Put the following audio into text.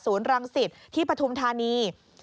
ศูนย์รังศิษย์ที่ปฐุมธานี